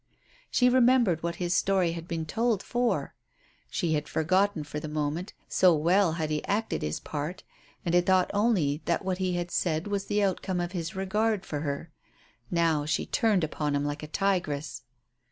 She remembered what his story had been told for; she had forgotten for the moment, so well had he acted his part, and had thought only that what he had said was the outcome of his regard for her. Now she turned upon him like a tigress.